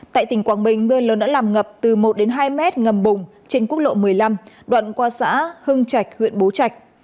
tại tỉnh quảng bình mưa lớn đã làm ngập từ một đến hai mét ngầm bùng trên quốc lộ một mươi năm đoạn qua xã hưng trạch huyện bố trạch